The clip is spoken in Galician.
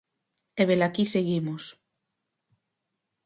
E velaquí seguimos...